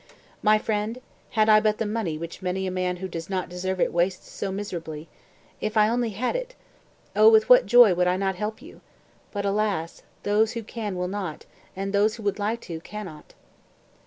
201. "My friend, had I but the money which many a man who does not deserve it wastes so miserably, if I only had it! O, with what joy would I not help you! But, alas! those who can will not, and those who would like to can not!"